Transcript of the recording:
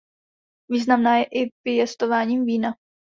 Významná je i pěstováním vína.